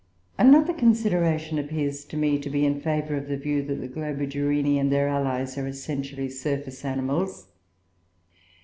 Another consideration appears to me to be in favour of the view that the Globigerinoe and their allies are essentially surface animals.